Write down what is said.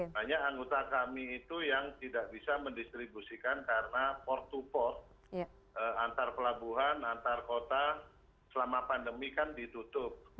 banyak anggota kami itu yang tidak bisa mendistribusikan karena port to port antar pelabuhan antar kota selama pandemi kan ditutup